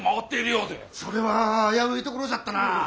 それは危ういところじゃったな。